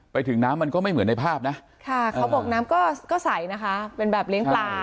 ไปถึงน้ำมันก็ไม่เหมือนในภาพนะค่ะเขาบอกน้ำก็ใสนะคะเป็นแบบเลี้ยงปลา